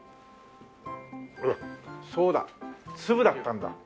そうだ粒だったんだ。